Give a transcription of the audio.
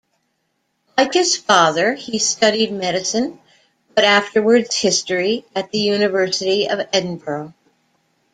Like his father he studied medicine, but afterwards history, at the University of Edinburgh.